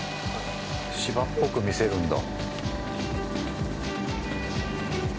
芝っぽく見せるんだ。